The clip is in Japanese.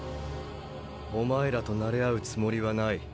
お前らとなれ合うつもりはない。